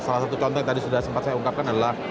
salah satu contoh yang tadi sudah sempat saya ungkapkan adalah